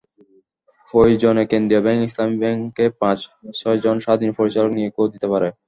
প্রয়োজনে কেন্দ্রীয় ব্যাংক ইসলামী ব্যাংকে পাঁচ-ছয়জন স্বাধীন পরিচালক নিয়োগও দিতে পারে।